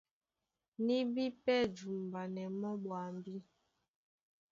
Ní bí pɛ́ jumbanɛ mɔ́ ɓwambí.